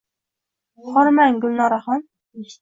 — Xormang, Gulnoraxon…